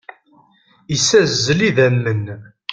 Issazzel idammen.